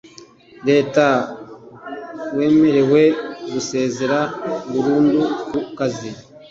leta wemerewe gusezera burundu ku kazi